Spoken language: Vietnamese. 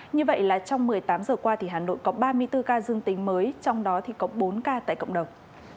như vậy là trong một mươi tám giờ qua hà nội có ba mươi bốn ca dương tính mới trong đó thì có bốn ca tại cộng đồng